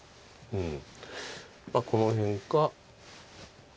うん。